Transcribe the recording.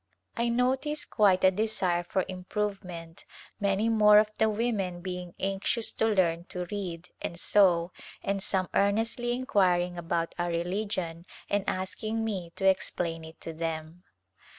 I notice quite a desire for improvement, many more of the First Hot Season women being anxious to learn to read and sew and some earnestly inquiring about our religion and ask ing me to explain it to them.